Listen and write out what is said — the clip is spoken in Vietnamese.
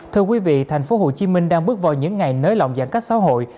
thưa quý vị thành phố hồ chí minh đang bước vào những ngày nới lỏng giãn cách xã hội